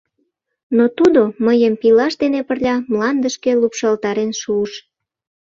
Но тудо мыйым пилаж дене пырля мландышке лупшалтарен шуыш.